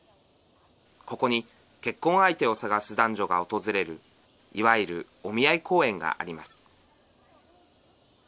ここに結婚相手を探す男女が訪れる、いわゆるお見合い公園があります。